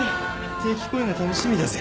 定期公演が楽しみだぜ。